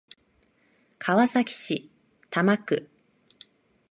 川崎市多摩区